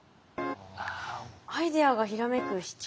アイデアがひらめくシチュエーション。